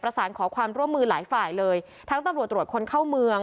สารขอความร่วมมือหลายฝ่ายเลยทั้งตำรวจตรวจคนเข้าเมือง